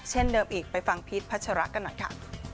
เช่นเดิมอีกไปฟังพีชพัชระกันหน่อยค่ะ